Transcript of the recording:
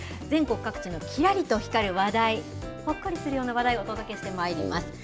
全国各地のきらりと光る話題、ほっこりするような話題をお届けしてまいります。